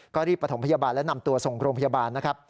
ก็รีบประถมพยาบาลและนำตัวส่งโรงพยาบาลนะครับ